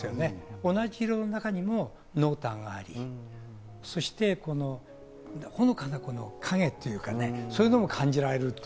ぼやけの中にも濃淡があり、ほのかな影というか、そういうものも感じられる。